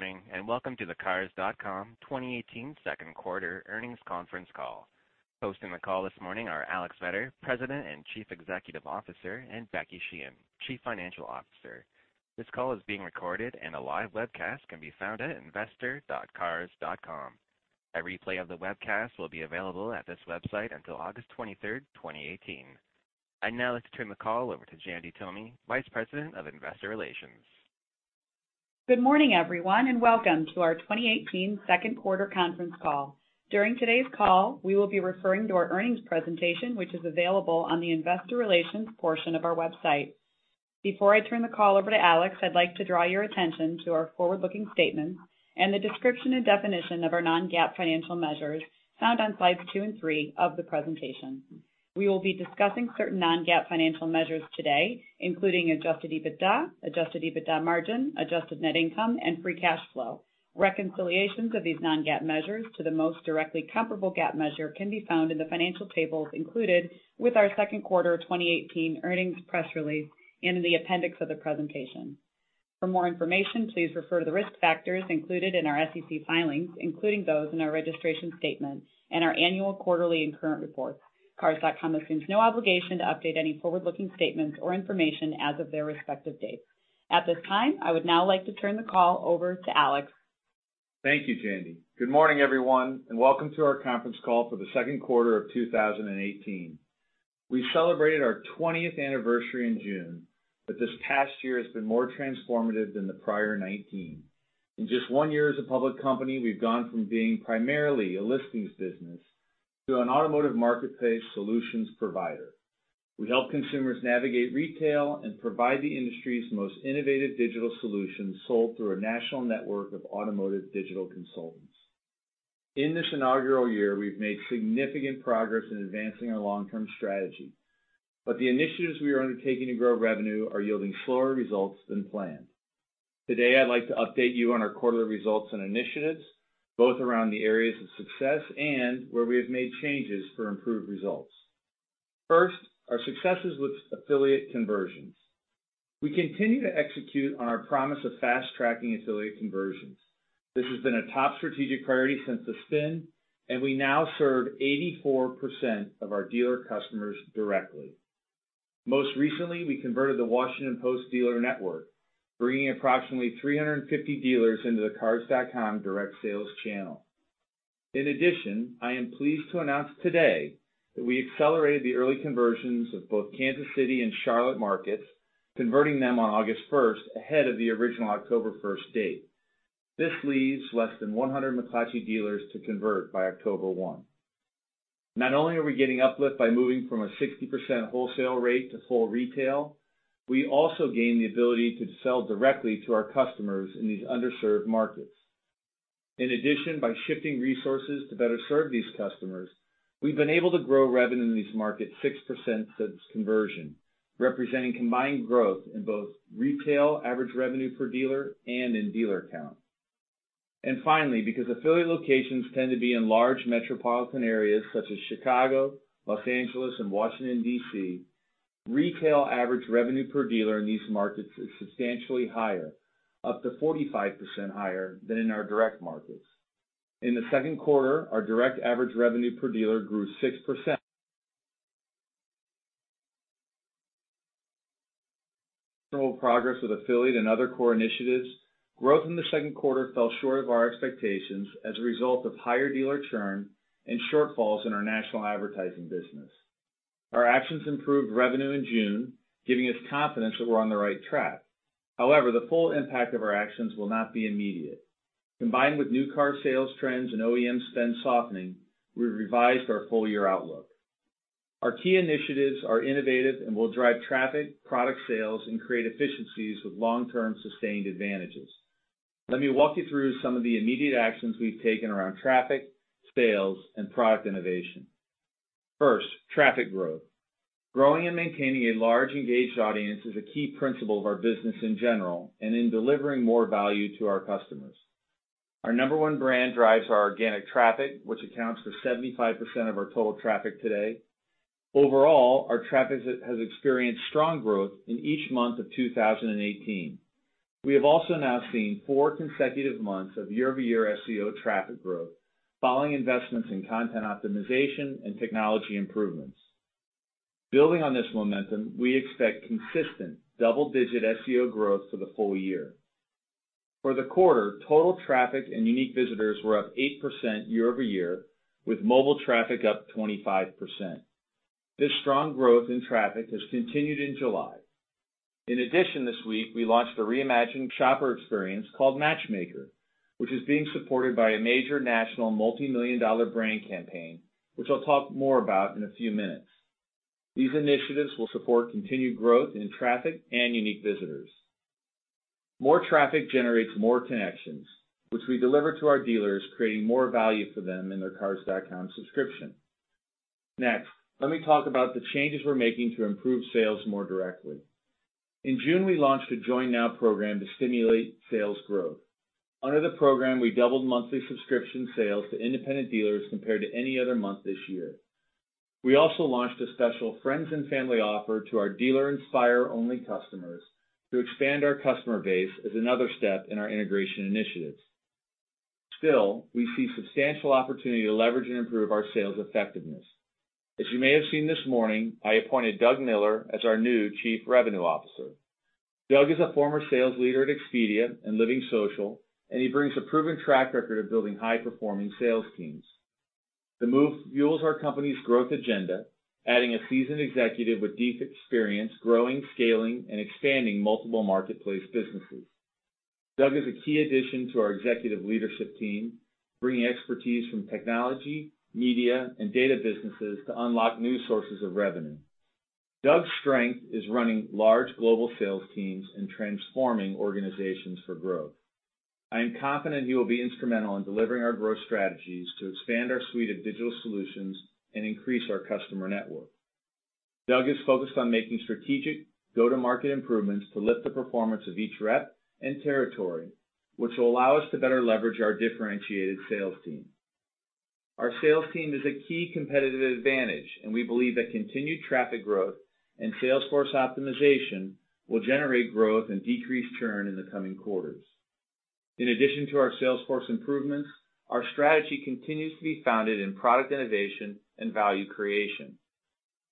Good morning, welcome to the Cars.com 2018 second quarter earnings conference call. Hosting the call this morning are Alex Vetter, President and Chief Executive Officer, and Becky Sheehan, Chief Financial Officer. This call is being recorded and a live webcast can be found at investor.cars.com. A replay of the webcast will be available at this website until August 23rd, 2018. I'd now like to turn the call over to Jandy Tomy, Vice President of Investor Relations. Good morning, everyone, welcome to our 2018 second quarter conference call. During today's call, we will be referring to our earnings presentation, which is available on the investor relations portion of our website. Before I turn the call over to Alex, I'd like to draw your attention to our forward-looking statement and the description and definition of our non-GAAP financial measures found on slides two and three of the presentation. We will be discussing certain non-GAAP financial measures today, including adjusted EBITDA, adjusted EBITDA margin, adjusted net income, and free cash flow. Reconciliations of these non-GAAP measures to the most directly comparable GAAP measure can be found in the financial tables included with our second quarter 2018 earnings press release in the appendix of the presentation. For more information, please refer to the risk factors included in our SEC filings, including those in our registration statement and our annual quarterly and current reports. Cars.com assumes no obligation to update any forward-looking statements or information as of their respective dates. At this time, I would now like to turn the call over to Alex. Thank you, Jandy. Good morning, everyone, welcome to our conference call for the second quarter of 2018. We celebrated our 20th anniversary in June, but this past year has been more transformative than the prior 19. In just one year as a public company, we've gone from being primarily a listings business to an automotive marketplace solutions provider. We help consumers navigate retail and provide the industry's most innovative digital solutions sold through a national network of automotive digital consultants. In this inaugural year, we've made significant progress in advancing our long-term strategy, but the initiatives we are undertaking to grow revenue are yielding slower results than planned. Today, I'd like to update you on our quarterly results and initiatives, both around the areas of success and where we have made changes for improved results. First, our successes with affiliate conversions. We continue to execute on our promise of fast-tracking affiliate conversions. This has been a top strategic priority since the spin, and we now serve 84% of our dealer customers directly. Most recently, we converted The Washington Post dealer network, bringing approximately 350 dealers into the Cars.com direct sales channel. In addition, I am pleased to announce today that we accelerated the early conversions of both Kansas City and Charlotte markets, converting them on August 1 ahead of the original October 1 date. This leaves less than 100 McClatchy dealers to convert by October 1. Not only are we getting uplift by moving from a 60% wholesale rate to full retail, we also gain the ability to sell directly to our customers in these underserved markets. In addition, by shifting resources to better serve these customers, we've been able to grow revenue in these markets 6% since conversion, representing combined growth in both retail average revenue per dealer and in dealer count. Finally, because affiliate locations tend to be in large metropolitan areas such as Chicago, Los Angeles, and Washington, D.C., retail average revenue per dealer in these markets is substantially higher, up to 45% higher than in our direct markets. In the second quarter, our direct average revenue per dealer grew 6% progress with affiliate and other core initiatives, growth in the second quarter fell short of our expectations as a result of higher dealer churn and shortfalls in our national advertising business. Our actions improved revenue in June, giving us confidence that we're on the right track. However, the full impact of our actions will not be immediate. Combined with new car sales trends and OEM spend softening, we revised our full year outlook. Our key initiatives are innovative and will drive traffic, product sales, and create efficiencies with long-term sustained advantages. Let me walk you through some of the immediate actions we've taken around traffic, sales, and product innovation. First, traffic growth. Growing and maintaining a large engaged audience is a key principle of our business in general, and in delivering more value to our customers. Our number one brand drives our organic traffic, which accounts for 75% of our total traffic today. Overall, our traffic has experienced strong growth in each month of 2018. We have also now seen four consecutive months of year-over-year SEO traffic growth, following investments in content optimization and technology improvements. Building on this momentum, we expect consistent double-digit SEO growth for the full year. For the quarter, total traffic and Unique Visitors were up 8% year-over-year, with mobile traffic up 25%. This strong growth in traffic has continued in July. In addition, this week, we launched a reimagined shopper experience called Matchmaker, which is being supported by a major national multimillion-dollar brand campaign, which I'll talk more about in a few minutes. These initiatives will support continued growth in traffic and Unique Visitors. More traffic generates more connections, which we deliver to our dealers, creating more value for them in their Cars.com subscription. Next, let me talk about the changes we're making to improve sales more directly. In June, we launched a Join Now Program to stimulate sales growth. Under the program, we doubled monthly subscription sales to independent dealers compared to any other month this year. We also launched a special friends and family offer to our Dealer Inspire-only customers to expand our customer base as another step in our integration initiatives. Still, we see substantial opportunity to leverage and improve our sales effectiveness. As you may have seen this morning, I appointed Doug Miller as our new Chief Revenue Officer. Doug is a former sales leader at Expedia and LivingSocial, and he brings a proven track record of building high-performing sales teams. The move fuels our company's growth agenda, adding a seasoned executive with deep experience growing, scaling, and expanding multiple marketplace businesses. Doug is a key addition to our executive leadership team, bringing expertise from technology, media, and data businesses to unlock new sources of revenue. Doug's strength is running large global sales teams and transforming organizations for growth. I am confident he will be instrumental in delivering our growth strategies to expand our suite of digital solutions and increase our customer network. Doug is focused on making strategic go-to-market improvements to lift the performance of each rep and territory, which will allow us to better leverage our differentiated sales team. Our sales team is a key competitive advantage, and we believe that continued traffic growth and sales force optimization will generate growth and decrease churn in the coming quarters. In addition to our sales force improvements, our strategy continues to be founded in product innovation and value creation.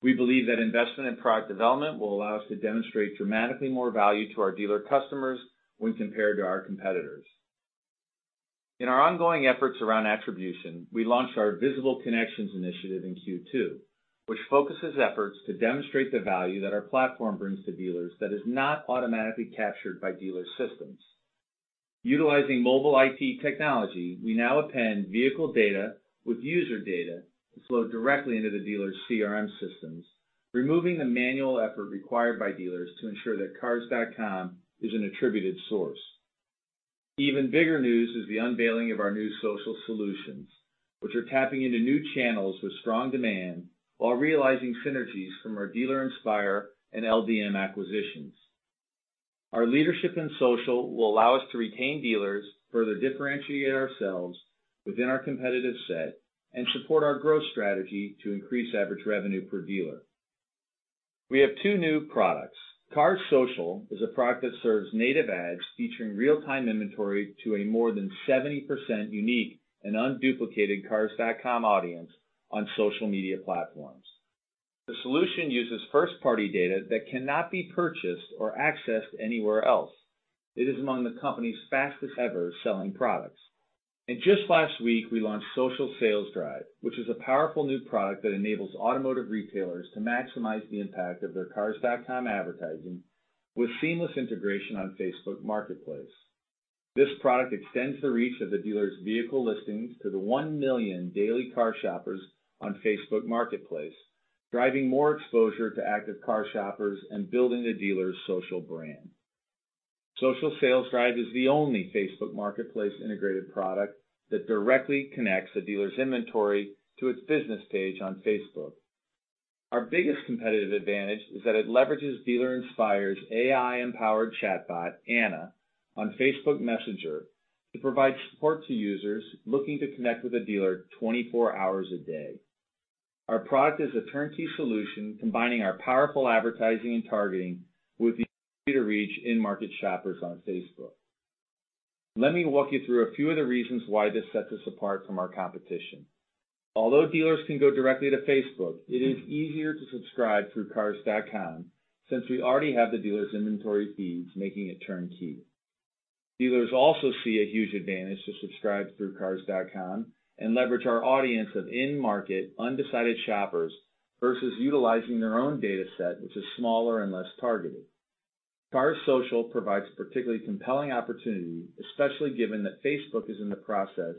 We believe that investment in product development will allow us to demonstrate dramatically more value to our dealer customers when compared to our competitors. In our ongoing efforts around attribution, we launched our Visible Connections initiative in Q2, which focuses efforts to demonstrate the value that our platform brings to dealers that is not automatically captured by dealer systems. Utilizing mobile IT technology, we now append vehicle data with user data to flow directly into the dealer's CRM systems, removing the manual effort required by dealers to ensure that Cars.com is an attributed source. Even bigger news is the unveiling of our new social solutions, which are tapping into new channels with strong demand while realizing synergies from our Dealer Inspire and LDM acquisitions. Our leadership in social will allow us to retain dealers, further differentiate ourselves within our competitive set, and support our growth strategy to increase average revenue per dealer. We have two new products. Cars Social is a product that serves native ads featuring real-time inventory to a more than 70% unique and unduplicated Cars.com audience on social media platforms. The solution uses first-party data that cannot be purchased or accessed anywhere else. It is among the company's fastest-ever selling products. Just last week, we launched Social Sales Drive, which is a powerful new product that enables automotive retailers to maximize the impact of their Cars.com advertising with seamless integration on Facebook Marketplace. This product extends the reach of the dealer's vehicle listings to the 1 million daily car shoppers on Facebook Marketplace, driving more exposure to active car shoppers and building the dealer's social brand. Social Sales Drive is the only Facebook Marketplace integrated product that directly connects a dealer's inventory to its business page on Facebook. Our biggest competitive advantage is that it leverages Dealer Inspire's AI-empowered chatbot, Ana, on Facebook Messenger to provide support to users looking to connect with a dealer 24 hours a day. Our product is a turnkey solution, combining our powerful advertising and targeting with the ability to reach in-market shoppers on Facebook. Let me walk you through a few of the reasons why this sets us apart from our competition. Although dealers can go directly to Facebook, it is easier to subscribe through Cars.com since we already have the dealers' inventory feeds, making it turnkey. Dealers also see a huge advantage to subscribe through Cars.com and leverage our audience of in-market undecided shoppers versus utilizing their own dataset, which is smaller and less targeted. Cars Social provides a particularly compelling opportunity, especially given that Facebook is in the process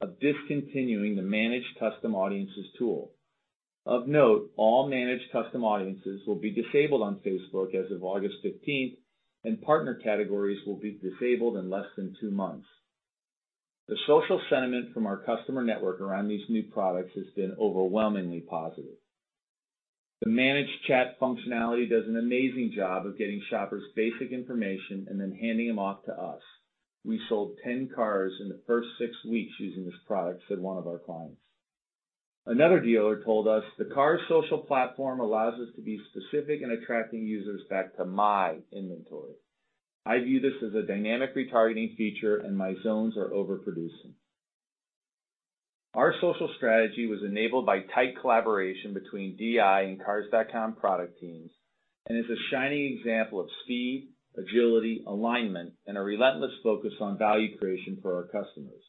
of discontinuing the Managed Custom Audiences tool. Of note, all Managed Custom Audiences will be disabled on Facebook as of August 15th, and partner categories will be disabled in less than two months. The social sentiment from our customer network around these new products has been overwhelmingly positive. "The managed chat functionality does an amazing job of getting shoppers' basic information and then handing them off to us. We sold 10 cars in the first six weeks using this product," said one of our clients. Another dealer told us, "The Cars Social platform allows us to be specific in attracting users back to my inventory. I view this as a dynamic retargeting feature, and my zones are overproducing." Our social strategy was enabled by tight collaboration between DI and Cars.com product teams and is a shining example of speed, agility, alignment, and a relentless focus on value creation for our customers.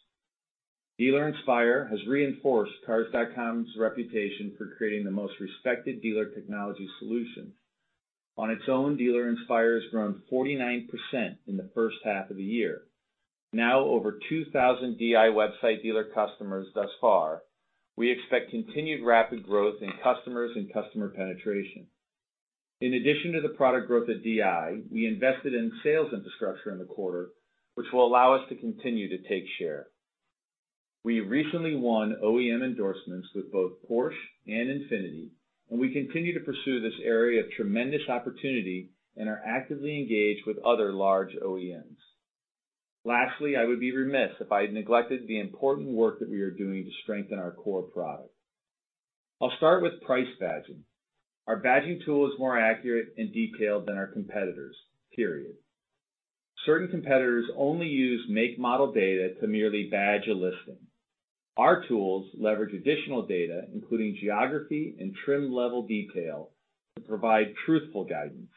Dealer Inspire has reinforced Cars.com's reputation for creating the most respected dealer technology solution. On its own, Dealer Inspire has grown 49% in the first half of the year. Now over 2,000 DI website dealer customers thus far, we expect continued rapid growth in customers and customer penetration. In addition to the product growth at DI, we invested in sales infrastructure in the quarter, which will allow us to continue to take share. We recently won OEM endorsements with both Porsche and Infiniti, and we continue to pursue this area of tremendous opportunity and are actively engaged with other large OEMs. Lastly, I would be remiss if I neglected the important work that we are doing to strengthen our core product. I'll start with price badging. Our badging tool is more accurate and detailed than our competitors, period. Certain competitors only use make/model data to merely badge a listing. Our tools leverage additional data, including geography and trim level detail, to provide truthful guidance.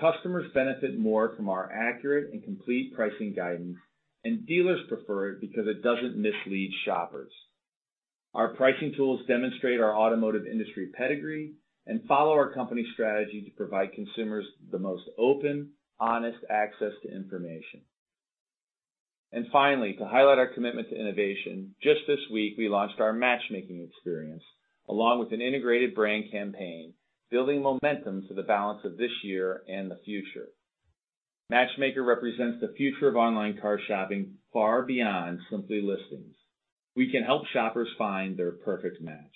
Customers benefit more from our accurate and complete pricing guidance, and dealers prefer it because it doesn't mislead shoppers. Our pricing tools demonstrate our automotive industry pedigree and follow our company strategy to provide consumers the most open, honest access to information. And finally, to highlight our commitment to innovation, just this week, we launched our Matchmaker experience, along with an integrated brand campaign, building momentum to the balance of this year and the future. Matchmaker represents the future of online car shopping far beyond simply listings. We can help shoppers find their perfect match.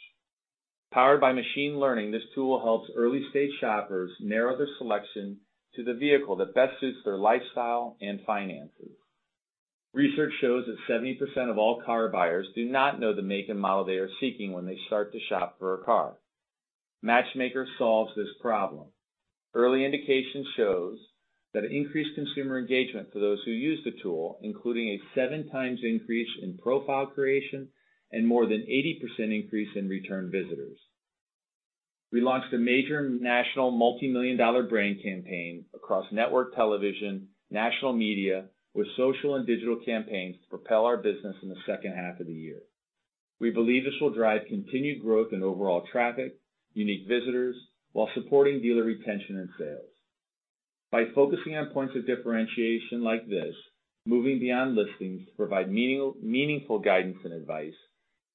Powered by machine learning, this tool helps early-stage shoppers narrow their selection to the vehicle that best suits their lifestyle and finances. Research shows that 70% of all car buyers do not know the make and model they are seeking when they start to shop for a car. Matchmaker solves this problem. Early indication shows that increased consumer engagement for those who use the tool, including a 7 times increase in profile creation and more than 80% increase in return visitors. We launched a major national multimillion-dollar brand campaign across network television, national media, with social and digital campaigns to propel our business in the second half of the year. We believe this will drive continued growth in overall traffic, unique visitors while supporting dealer retention and sales. By focusing on points of differentiation like this, moving beyond listings to provide meaningful guidance and advice,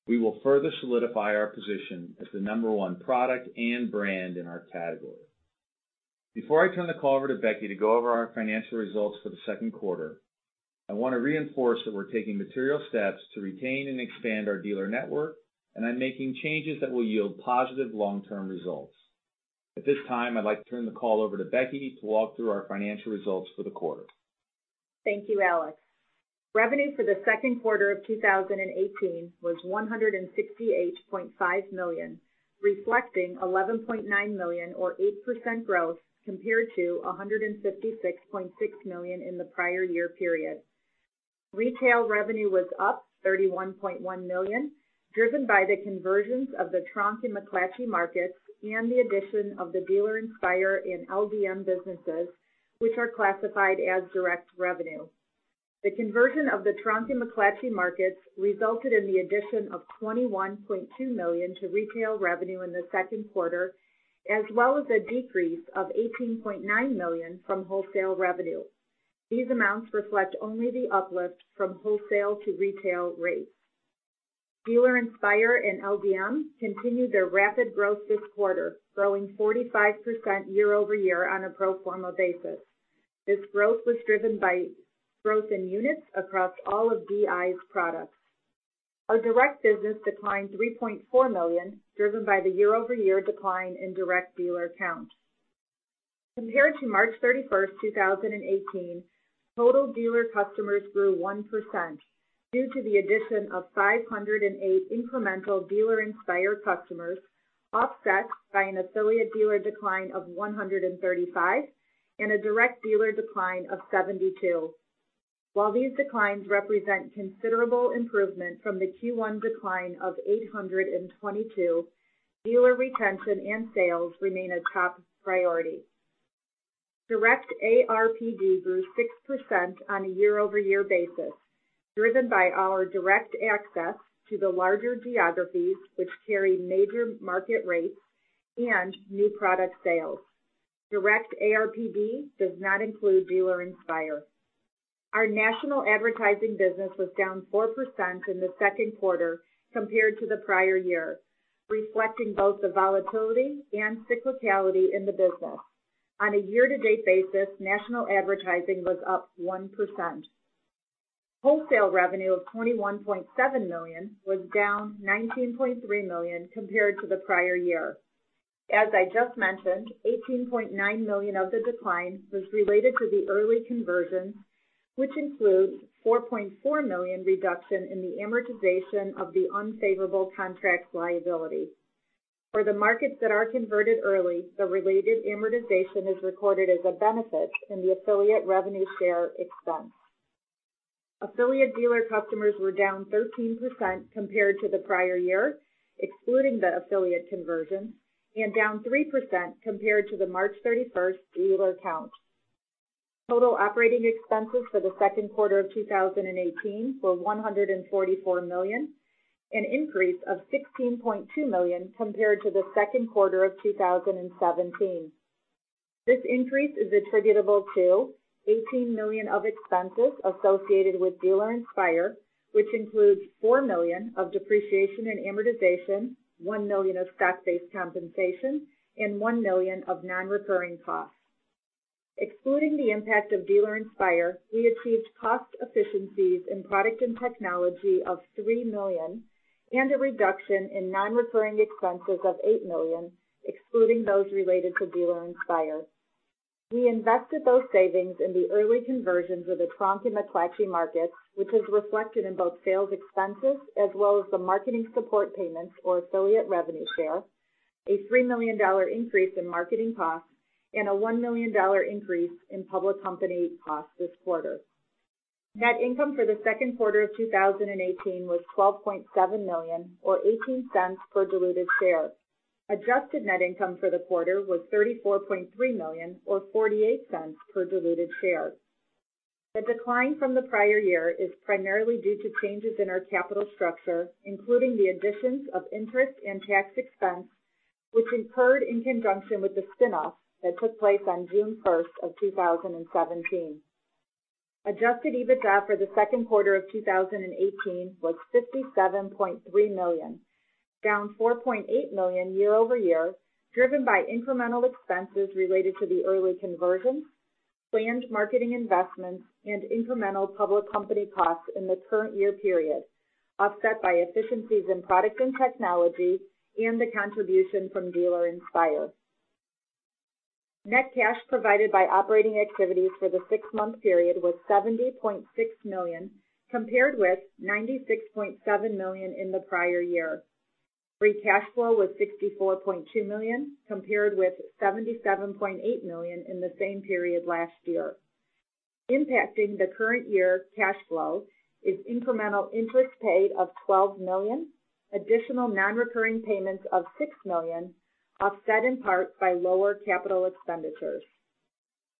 we will further solidify our position as the number one product and brand in our category. Before I turn the call over to Becky to go over our financial results for the second quarter, I want to reinforce that we're taking material steps to retain and expand our dealer network, and I'm making changes that will yield positive long-term results. At this time, I'd like to turn the call over to Becky to walk through our financial results for the quarter. Thank you, Alex. Revenue for the second quarter of 2018 was $168.5 million, reflecting $11.9 million or 8% growth compared to $156.6 million in the prior year period. Retail revenue was up $31.1 million, driven by the conversions of the Tronc and McClatchy markets and the addition of the Dealer Inspire and LDM businesses, which are classified as direct revenue. The conversion of the Tronc and McClatchy markets resulted in the addition of $21.2 million to retail revenue in the second quarter, as well as a decrease of $18.9 million from wholesale revenue. These amounts reflect only the uplift from wholesale to retail rates. Dealer Inspire and LDM continued their rapid growth this quarter, growing 45% year-over-year on a pro forma basis. This growth was driven by growth in units across all of DI's products. Our direct business declined $3.4 million, driven by the year-over-year decline in direct dealer count. Compared to March 31st, 2018, total dealer customers grew 1% due to the addition of 508 incremental Dealer Inspire customers, offset by an affiliate dealer decline of 135 and a direct dealer decline of 72. While these declines represent considerable improvement from the Q1 decline of 822, dealer retention and sales remain a top priority. Direct ARPD grew 6% on a year-over-year basis, driven by our direct access to the larger geographies which carry major market rates and new product sales. Direct ARPD does not include Dealer Inspire. Our national advertising business was down 4% in the second quarter compared to the prior year, reflecting both the volatility and cyclicality in the business. On a year-to-date basis, national advertising was up 1%. Wholesale revenue of $21.7 million was down $19.3 million compared to the prior year. As I just mentioned, $18.9 million of the decline was related to the early conversions, which includes $4.4 million reduction in the amortization of the unfavorable contract liability. For the markets that are converted early, the related amortization is recorded as a benefit in the affiliate revenue share expense. Affiliate dealer customers were down 13% compared to the prior year, excluding the affiliate conversion, and down 3% compared to the March 31st dealer count. Total operating expenses for the second quarter of 2018 were $144 million, an increase of $16.2 million compared to the second quarter of 2017. This increase is attributable to $18 million of expenses associated with Dealer Inspire, which includes $4 million of depreciation and amortization, $1 million of stock-based compensation, and $1 million of non-recurring costs. Excluding the impact of Dealer Inspire, we achieved cost efficiencies in product and technology of $3 million And a reduction in non-recurring expenses of $8 million, excluding those related to Dealer Inspire. We invested those savings in the early conversions of the Tronc and McClatchy markets, which is reflected in both sales expenses as well as the marketing support payments or affiliate revenue share, a $3 million increase in marketing costs, and a $1 million increase in public company costs this quarter. Net income for the second quarter of 2018 was $12.7 million or $0.18 per diluted share. Adjusted net income for the quarter was $34.3 million or $0.48 per diluted share. The decline from the prior year is primarily due to changes in our capital structure, including the additions of interest and tax expense, which incurred in conjunction with the spinoff that took place on June 1st of 2017. Adjusted EBITDA for the second quarter of 2018 was $57.3 million, down $4.8 million year-over-year, driven by incremental expenses related to the early conversions, planned marketing investments, and incremental public company costs in the current year period, offset by efficiencies in product and technology and the contribution from Dealer Inspire. Net cash provided by operating activities for the six-month period was $70.6 million, compared with $96.7 million in the prior year. Free cash flow was $64.2 million, compared with $77.8 million in the same period last year. Impacting the current year cash flow is incremental interest paid of $12 million, additional non-recurring payments of $6 million, offset in part by lower capital expenditures.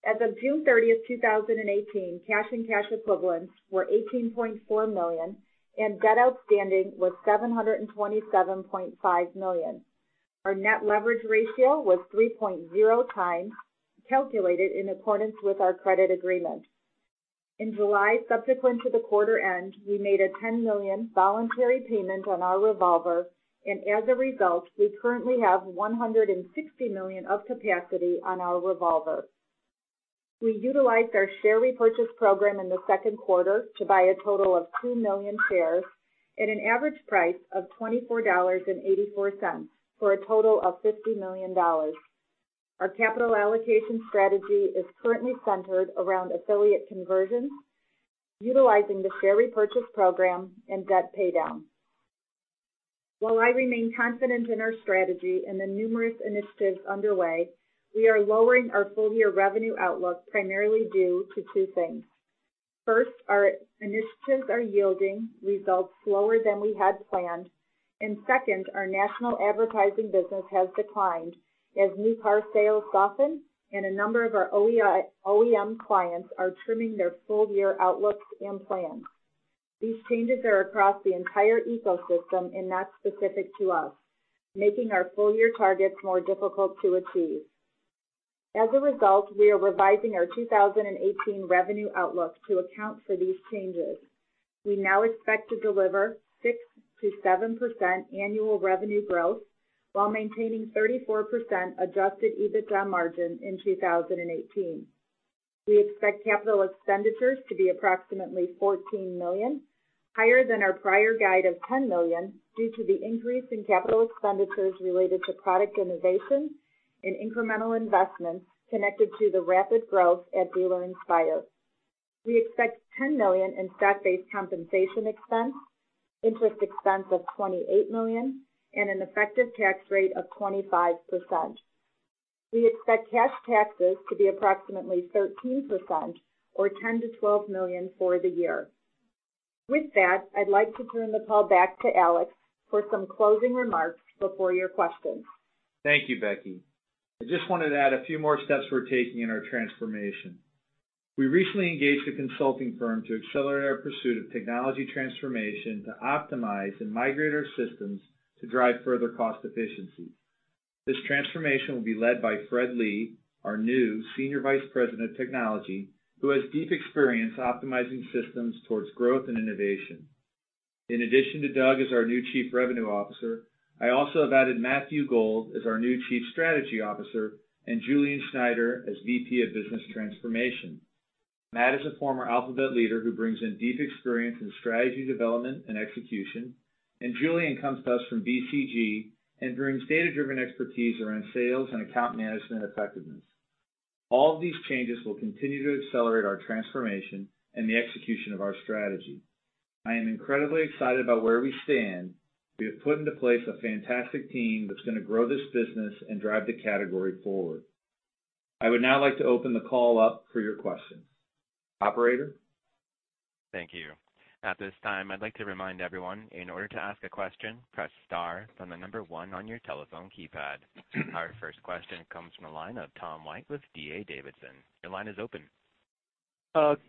As of June 30th, 2018, cash and cash equivalents were $18.4 million and debt outstanding was $727.5 million. Our net leverage ratio was 3.0 times, calculated in accordance with our credit agreement. In July, subsequent to the quarter end, we made a $10 million voluntary payment on our revolver, and as a result, we currently have $160 million of capacity on our revolvers. We utilized our share repurchase program in the second quarter to buy a total of 2 million shares at an average price of $24.84 for a total of $50 million. Our capital allocation strategy is currently centered around affiliate conversions, utilizing the share repurchase program and debt paydown. While I remain confident in our strategy and the numerous initiatives underway, we are lowering our full-year revenue outlook primarily due to two things. First, our initiatives are yielding results slower than we had planned, and second, our national advertising business has declined as new car sales soften and a number of our OEM clients are trimming their full-year outlooks and plans. These changes are across the entire ecosystem and not specific to us, making our full-year targets more difficult to achieve. As a result, we are revising our 2018 revenue outlook to account for these changes. We now expect to deliver 6%-7% annual revenue growth while maintaining 34% adjusted EBITDA margin in 2018. We expect capital expenditures to be approximately $14 million, higher than our prior guide of $10 million due to the increase in capital expenditures related to product innovation and incremental investments connected to the rapid growth at Dealer Inspire. We expect $10 million in stock-based compensation expense, interest expense of $28 million, and an effective tax rate of 25%. We expect cash taxes to be approximately 13% or $10 million-$12 million for the year. With that, I'd like to turn the call back to Alex for some closing remarks before your questions. Thank you, Becky. I just wanted to add a few more steps we're taking in our transformation. We recently engaged a consulting firm to accelerate our pursuit of technology transformation to optimize and migrate our systems to drive further cost efficiencies. This transformation will be led by Fred Lee, our new Senior Vice President of Technology, who has deep experience optimizing systems towards growth and innovation. In addition to Doug as our new Chief Revenue Officer, I also have added Matthew Gold as our new Chief Strategy Officer and Julien Schneider as VP of Business Transformation. Matt is a former Alphabet leader who brings in deep experience in strategy development and execution, and Julien comes to us from BCG and brings data-driven expertise around sales and account management effectiveness. All of these changes will continue to accelerate our transformation and the execution of our strategy. I am incredibly excited about where we stand. We have put into place a fantastic team that's going to grow this business and drive the category forward. I would now like to open the call up for your questions. Operator? Thank you. At this time, I'd like to remind everyone, in order to ask a question, press star, then the number one on your telephone keypad. Our first question comes from the line of Tom White with D.A. Davidson. Your line is open.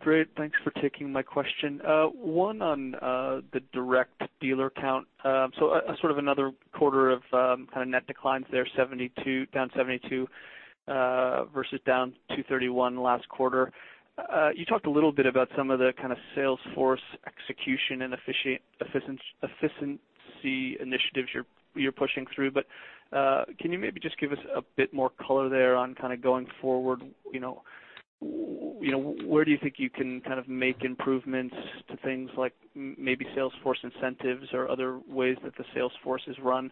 Great. Thanks for taking my question. One on the direct dealer count. Sort of another quarter of net declines there, down 72 versus down 231 last quarter. You talked a little bit about some of the kind of sales force execution and efficiency initiatives you're pushing through, can you maybe just give us a bit more color there on going forward, where do you think you can make improvements to things like maybe sales force incentives or other ways that the sales force is run?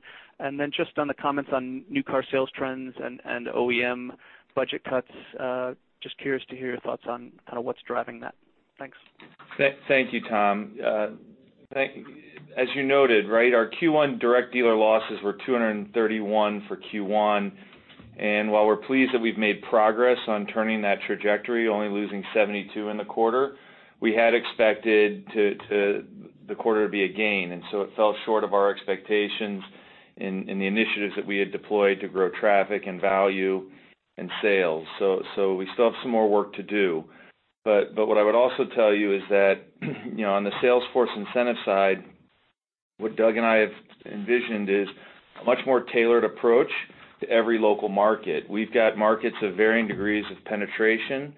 Just on the comments on new car sales trends and OEM budget cuts, curious to hear your thoughts on what's driving that. Thanks. Thank you, Tom. As you noted, our Q1 direct dealer losses were 231 for Q1. While we're pleased that we've made progress on turning that trajectory, only losing 72 in the quarter, we had expected the quarter to be a gain. It fell short of our expectations in the initiatives that we had deployed to grow traffic and value and sales. We still have some more work to do. What I would also tell you is that on the sales force incentive side, what Doug and I have envisioned is a much more tailored approach to every local market. We've got markets of varying degrees of penetration,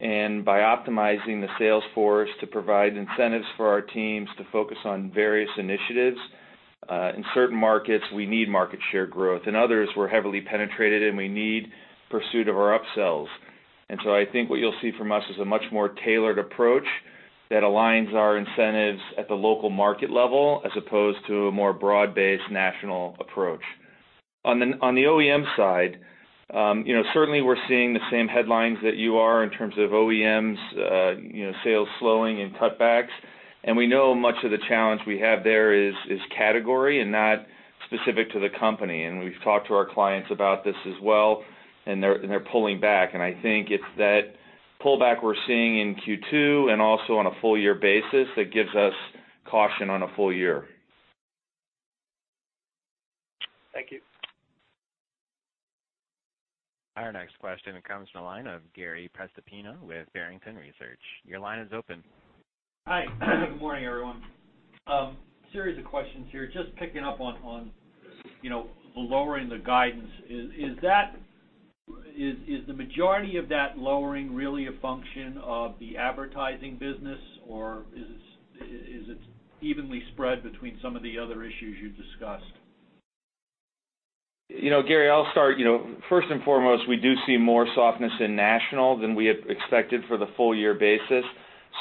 by optimizing the sales force to provide incentives for our teams to focus on various initiatives, in certain markets, we need market share growth. In others, we're heavily penetrated, we need and they're pulling back, and I think it's that pullback we're seeing in Q2 and also on a full year basis that gives us caution on a full year. Thank you. Our next question comes from the line of Gary Prestopino with Barrington Research. Your line is open. Hi. Good morning, everyone. Series of questions here. Just picking up on lowering the guidance. Is the majority of that lowering really a function of the advertising business, or is it evenly spread between some of the other issues you discussed? Gary, I'll start. First and foremost, we do see more softness in national than we had expected for the full year basis.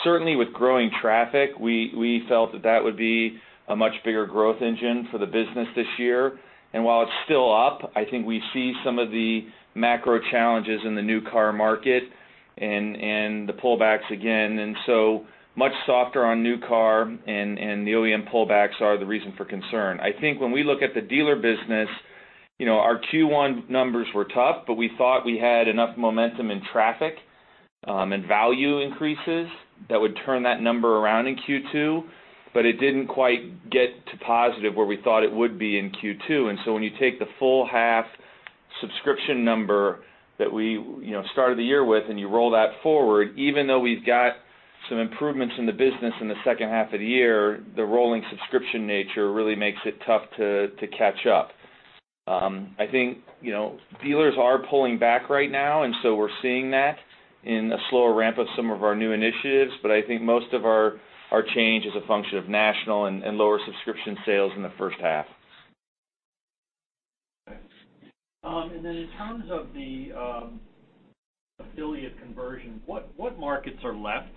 Certainly with growing traffic, we felt that that would be a much bigger growth engine for the business this year. While it's still up, I think we see some of the macro challenges in the new car market and the pullbacks again. So much softer on new car and the OEM pullbacks are the reason for concern. I think when we look at the dealer business, our Q1 numbers were tough, but we thought we had enough momentum in traffic and value increases that would turn that number around in Q2, but it didn't quite get to positive where we thought it would be in Q2. When you take the full half subscription number that we started the year with, and you roll that forward, even though we've got some improvements in the business in the second half of the year, the rolling subscription nature really makes it tough to catch up. I think dealers are pulling back right now, we're seeing that in a slower ramp of some of our new initiatives. I think most of our change is a function of national and lower subscription sales in the first half. Okay. In terms of the affiliate conversion, what markets are left?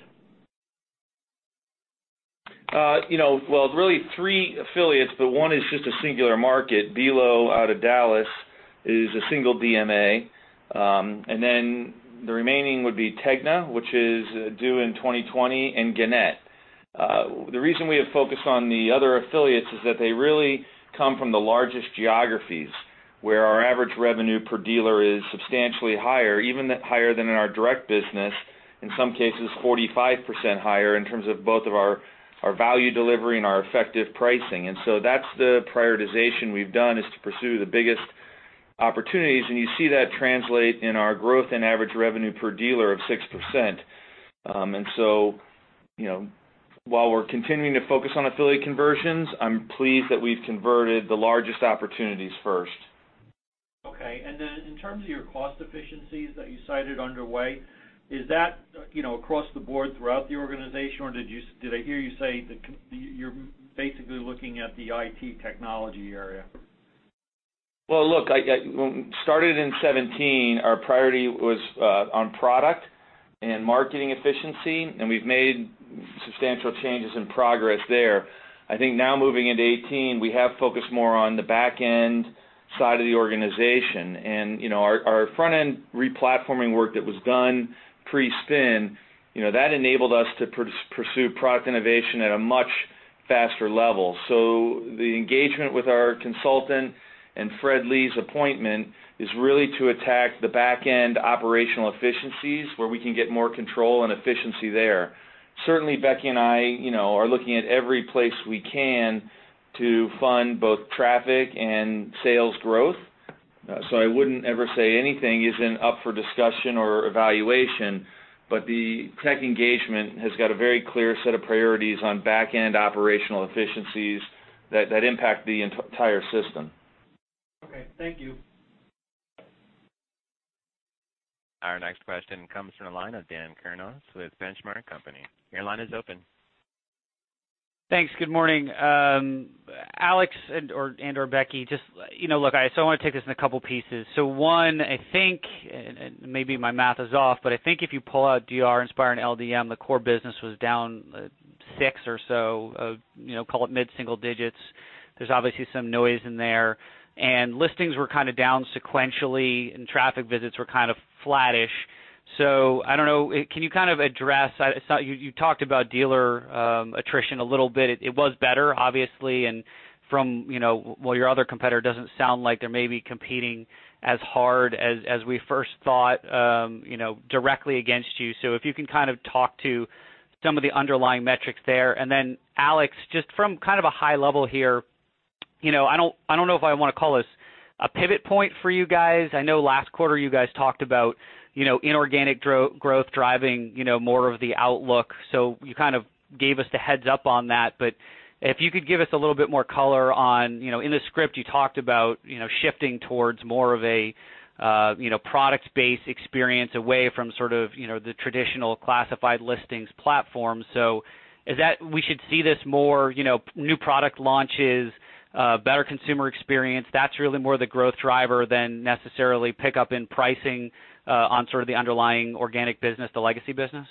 Well, really three affiliates, but one is just a singular market. Belo out of Dallas is a single DMA. The remaining would be TEGNA, which is due in 2020, and Gannett. The reason we have focused on the other affiliates is that they really come from the largest geographies, where our average revenue per dealer is substantially higher, even higher than in our direct business, in some cases, 45% higher in terms of both of our value delivery and our effective pricing. That's the prioritization we've done, is to pursue the biggest opportunities, and you see that translate in our growth in average revenue per dealer of 6%. While we're continuing to focus on affiliate conversions, I'm pleased that we've converted the largest opportunities first. Okay, in terms of your cost efficiencies that you cited underway, is that across the board throughout the organization, or did I hear you say that you're basically looking at the IT technology area? Well, look, started in 2017, our priority was on product and marketing efficiency, and we've made substantial changes and progress there. I think now moving into 2018, we have focused more on the back-end side of the organization. Our front-end re-platforming work that was done pre-spin, that enabled us to pursue product innovation at a much faster level. The engagement with our consultant and Fred Lee's appointment is really to attack the back-end operational efficiencies where we can get more control and efficiency there. Certainly, Becky and I are looking at every place we can to fund both traffic and sales growth. I wouldn't ever say anything isn't up for discussion or evaluation, but the tech engagement has got a very clear set of priorities on back-end operational efficiencies that impact the entire system. Okay. Thank you. Our next question comes from the line of Dan Kurnos with The Benchmark Company. Your line is open. Thanks. Good morning. Alex and/or Becky, look, I want to take this in a couple pieces. One, maybe my math is off, but I think if you pull out DR, Inspire, and LDM, the core business was down six or so, call it mid-single digits. There's obviously some noise in there. Listings were kind of down sequentially, and traffic visits were kind of flattish. I don't know, can you address, you talked about dealer attrition a little bit. It was better, obviously. From, well, your other competitor doesn't sound like they're maybe competing as hard as we first thought directly against you. If you can talk to some of the underlying metrics there. Then Alex, just from a high level here, I don't know if I want to call this a pivot point for you guys. I know last quarter you guys talked about inorganic growth driving more of the outlook. You gave us the heads-up on that. If you could give us a little bit more color on, in the script you talked about shifting towards more of a product-based experience away from sort of the traditional classified listings platform. We should see this more new product launches, better consumer experience, that's really more the growth driver than necessarily pick up in pricing on sort of the underlying organic business, the legacy business?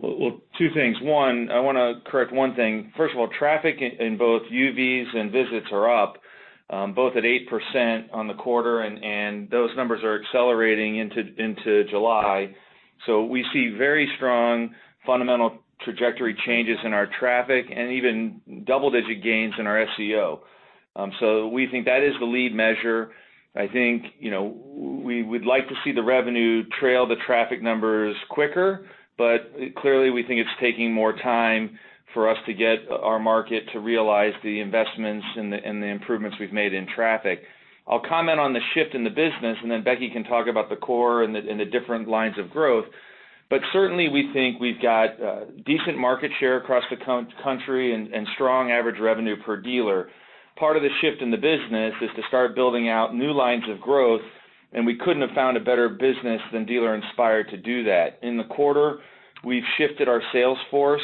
Well, two things. One, I want to correct one thing. First of all, traffic in both UVs and visits are up, both at 8% on the quarter, and those numbers are accelerating into July. We see very strong fundamental trajectory changes in our traffic and even double-digit gains in our SEO. We think that is the lead measure. I think, we would like to see the revenue trail the traffic numbers quicker, clearly, we think it's taking more time for us to get our market to realize the investments and the improvements we've made in traffic. I'll comment on the shift in the business, and then Becky can talk about the core and the different lines of growth. Certainly, we think we've got decent market share across the country and strong average revenue per dealer. Part of the shift in the business is to start building out new lines of growth, we couldn't have found a better business than Dealer Inspire to do that. In the quarter, we've shifted our sales force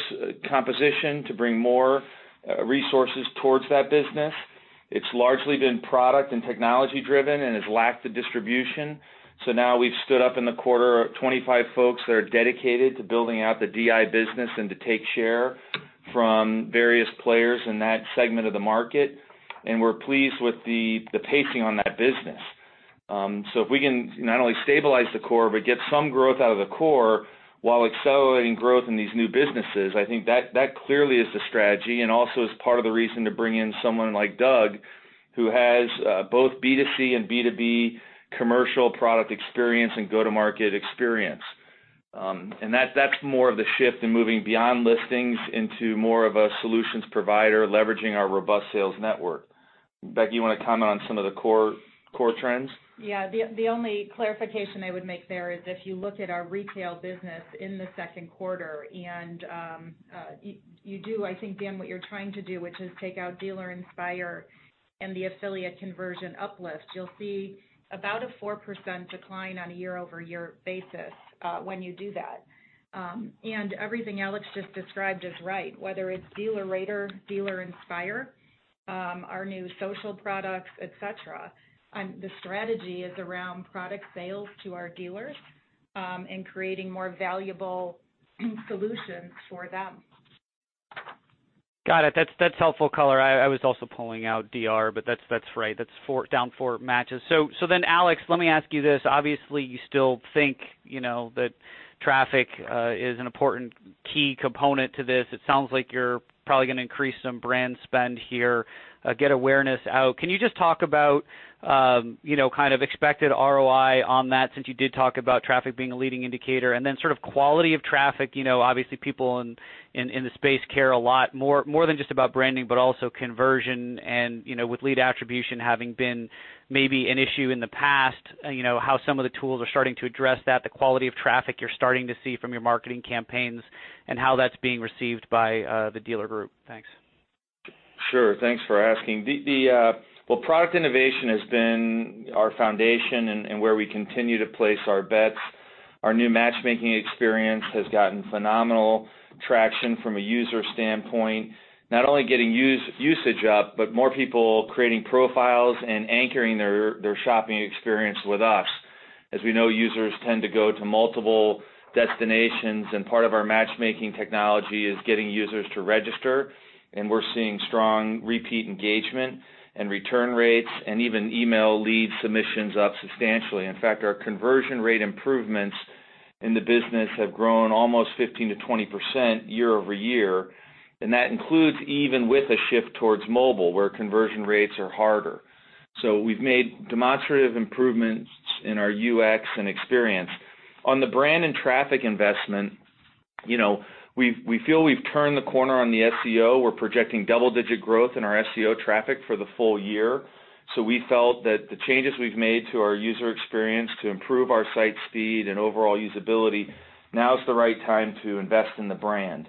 composition to bring more resources towards that business. It's largely been product and technology-driven and has lacked the distribution. Now we've stood up in the quarter 25 folks that are dedicated to building out the DI business and to take share from various players in that segment of the market. We're pleased with the pacing on that business. If we can not only stabilize the core but get some growth out of the core while accelerating growth in these new businesses, I think that clearly is the strategy and also is part of the reason to bring in someone like Doug, who has both B2C and B2B commercial product experience and go-to-market experience. That's more of the shift in moving beyond listings into more of a solutions provider, leveraging our robust sales network. Becky, you want to comment on some of the core trends? The only clarification I would make there is if you look at our retail business in the second quarter, and you do, I think, Dan Kurnos, what you're trying to do, which is take out Dealer Inspire and the affiliate conversion uplift, you'll see about a 4% decline on a year-over-year basis when you do that. Everything Alex just described is right, whether it's DealerRater, Dealer Inspire, our new social products, et cetera. The strategy is around product sales to our dealers, creating more valuable solutions for them. Got it. That's helpful color. I was also pulling out DR, that's right. That's down 4 matches. Alex, let me ask you this. Obviously, you still think that traffic is an important key component to this. It sounds like you're probably going to increase some brand spend here, get awareness out. Can you just talk about kind of expected ROI on that, since you did talk about traffic being a leading indicator? Then sort of quality of traffic, obviously, people in the space care a lot more than just about branding, but also conversion, and with lead attribution having been maybe an issue in the past, how some of the tools are starting to address that, the quality of traffic you're starting to see from your marketing campaigns, and how that's being received by the dealer group. Thanks. Sure. Thanks for asking. Product innovation has been our foundation where we continue to place our bets. Our new Matchmaker experience has gotten phenomenal traction from a user standpoint, not only getting usage up, but more people creating profiles and anchoring their shopping experience with us. As we know, users tend to go to multiple destinations, part of our Matchmaker technology is getting users to register, we're seeing strong repeat engagement and return rates, even email lead submissions up substantially. In fact, our conversion rate improvements in the business have grown almost 15%-20% year-over-year, that includes even with a shift towards mobile, where conversion rates are harder. We've made demonstrative improvements in our UX and experience. On the brand and traffic investment, we feel we've turned the corner on the SEO. We're projecting double-digit growth in our SEO traffic for the full year. We felt that the changes we've made to our user experience to improve our site speed and overall usability, now is the right time to invest in the brand.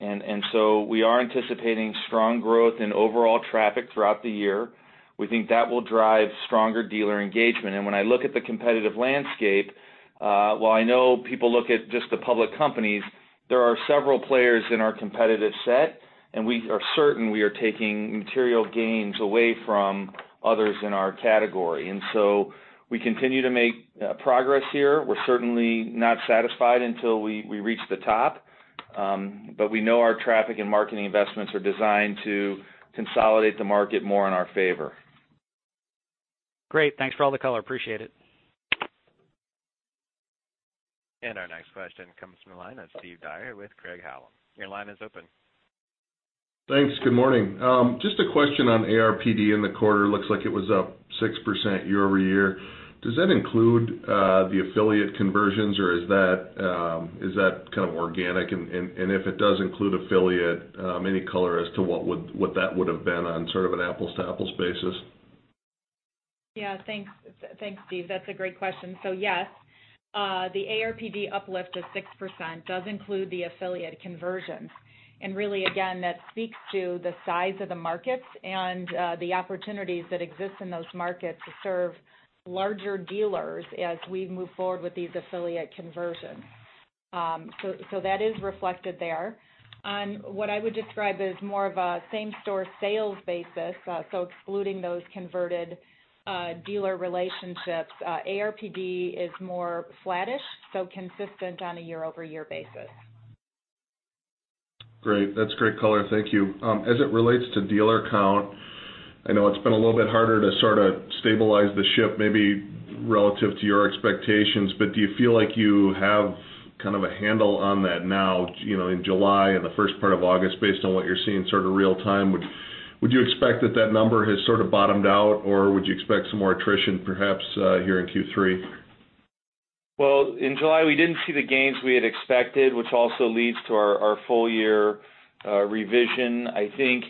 We are anticipating strong growth in overall traffic throughout the year We think that will drive stronger dealer engagement. When I look at the competitive landscape, while I know people look at just the public companies, there are several players in our competitive set, we are certain we are taking material gains away from others in our category. We continue to make progress here. We're certainly not satisfied until we reach the top. We know our traffic and marketing investments are designed to consolidate the market more in our favor. Great. Thanks for all the color. Appreciate it. Our next question comes from the line of Steve Dyer with Craig-Hallum. Your line is open. Thanks. Good morning. Just a question on ARPD in the quarter. Looks like it was up 6% year-over-year. Does that include, the affiliate conversions or is that kind of organic? If it does include affiliate, any color as to what that would've been on sort of an apples to apples basis? Yeah. Thanks, Steve. That's a great question. Yes, the ARPD uplift of 6% does include the affiliate conversions. Really, again, that speaks to the size of the markets and the opportunities that exist in those markets to serve larger dealers as we move forward with these affiliate conversions. That is reflected there. On what I would describe as more of a same-store sales basis, excluding those converted dealer relationships, ARPD is more flattish, consistent on a year-over-year basis. Great. That's great color. Thank you. As it relates to dealer count, I know it's been a little bit harder to sort of stabilize the ship, maybe relative to your expectations, but do you feel like you have kind of a handle on that now in July and the first part of August based on what you're seeing sort of real time? Would you expect that that number has sort of bottomed out, or would you expect some more attrition perhaps, here in Q3? In July, we didn't see the gains we had expected, which also leads to our full year revision. I think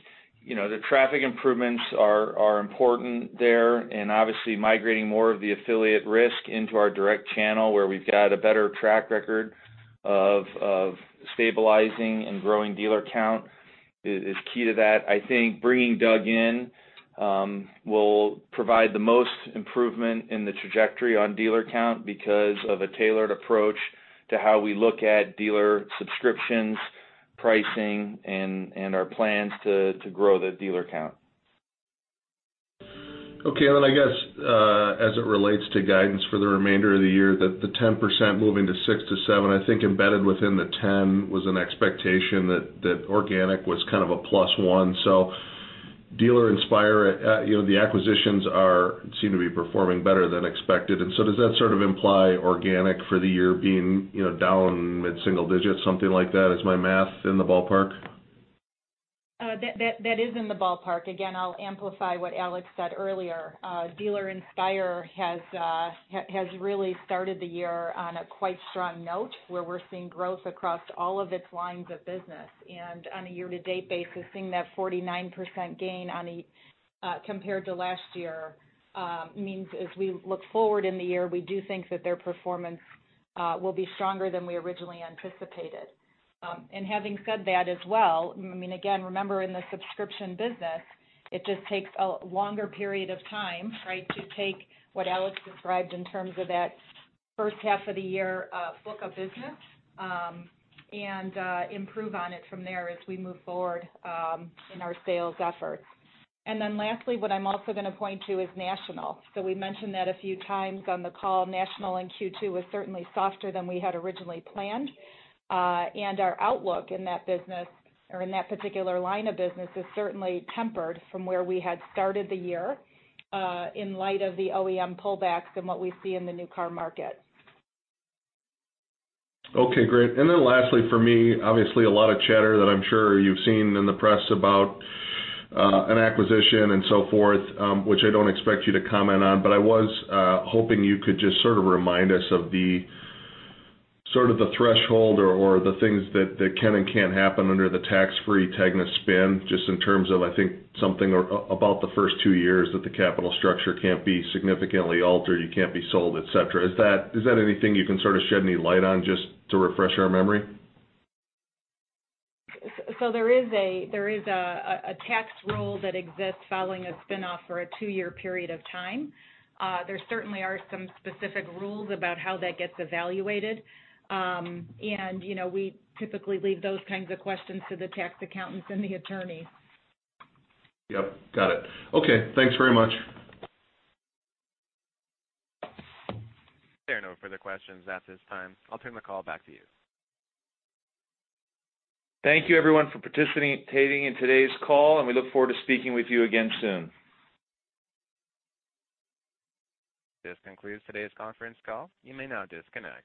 the traffic improvements are important there, and obviously migrating more of the affiliate risk into our direct channel where we've got a better track record of stabilizing and growing dealer count is key to that. I think bringing Doug in will provide the most improvement in the trajectory on dealer count because of a tailored approach to how we look at dealer subscriptions, pricing, and our plans to grow the dealer count. Okay. I guess, as it relates to guidance for the remainder of the year, the 10% moving to 6%-7%, I think embedded within the 10% was an expectation that organic was kind of a +1. Dealer Inspire, the acquisitions seem to be performing better than expected. Does that sort of imply organic for the year being down mid-single digits, something like that? Is my math in the ballpark? That is in the ballpark. Again, I'll amplify what Alex said earlier. Dealer Inspire has really started the year on a quite strong note, where we're seeing growth across all of its lines of business. On a year-to-date basis, seeing that 49% gain compared to last year means as we look forward in the year, we do think that their performance will be stronger than we originally anticipated. Having said that as well, again, remember in the subscription business, it just takes a longer period of time to take what Alex described in terms of that first half of the year book of business, and improve on it from there as we move forward in our sales efforts. Lastly, what I'm also going to point to is National. We mentioned that a few times on the call. National in Q2 was certainly softer than we had originally planned. Our outlook in that business or in that particular line of business is certainly tempered from where we had started the year, in light of the OEM pullbacks and what we see in the new car market. Okay, great. Lastly for me, obviously a lot of chatter that I'm sure you've seen in the press about an acquisition and so forth, which I don't expect you to comment on, but I was hoping you could just sort of remind us of the threshold or the things that can and can't happen under the tax-free TEGNA spin, just in terms of, I think, something about the first two years that the capital structure can't be significantly altered, you can't be sold, et cetera. Is that anything you can sort of shed any light on just to refresh our memory? There is a tax rule that exists following a spinoff for a two-year period of time. There certainly are some specific rules about how that gets evaluated. We typically leave those kinds of questions to the tax accountants and the attorneys. Yep, got it. Okay, thanks very much. There are no further questions at this time. I'll turn the call back to you. Thank you everyone for participating in today's call, and we look forward to speaking with you again soon. This concludes today's conference call. You may now disconnect.